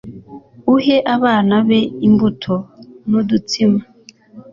uhe abana be imbuto n'udutsima